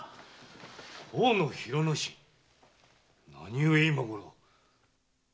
河野広之進の⁉何ゆえ今ごろ？